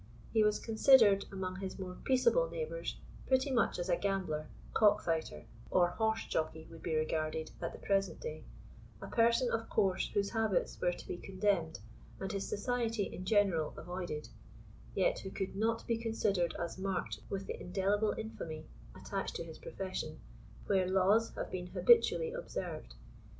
He was considered, among his more peaceable neighbours, pretty much as a gambler, cock fighter, or horse jockey would be regarded at the present day; a person, of course, whose habits were to be condemned, and his society, in general, avoided, yet who could not be considered as marked with the indelible infamy attached to his profession, where laws have been habitually observed.